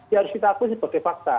ya harus kita akui sebagai fakta